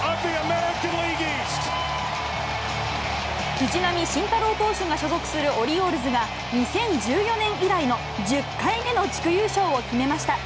藤浪晋太郎投手が所属するオリオールズが、２０１４年以来の１０回目の地区優勝を決めました。